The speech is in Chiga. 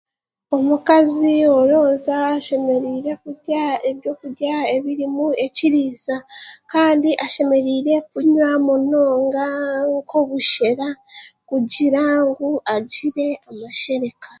Omukaazi aronsa ashemerire kurya eby'okurya ebirimu ekirisa, kandi ashemerire kunya munonga nk'obusheera kugyira agyire amashereka.